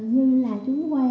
như là chú quang